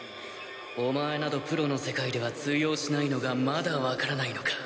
お前などプロの世界では通用しないのがまだわからないのか？